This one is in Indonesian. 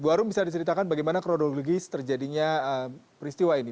bu arum bisa diceritakan bagaimana kronologis terjadinya peristiwa ini